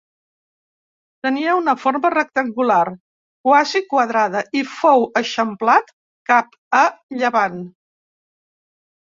Tenia una forma rectangular quasi quadrada, i fou eixamplat cap a llevant.